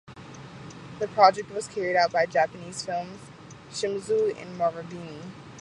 The project was carried out by Japanese firms Shimizu and Marubeni.